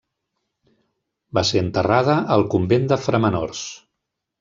Va ser enterrada al convent de Framenors.